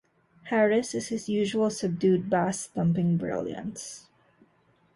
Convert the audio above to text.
Harris is his usual subdued bass thumping brilliance.